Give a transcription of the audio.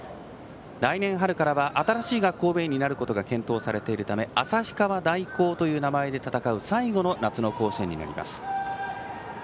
来年春からは新しい学校名になることが検討されているため旭川大高という名前で戦う最後の夏の甲子園になります。